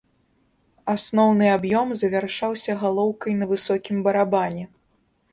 Асноўны аб'ём завяршаўся галоўкай на высокім барабане.